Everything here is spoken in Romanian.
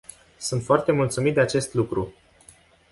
Sunt foarte mulțumit de acest lucru.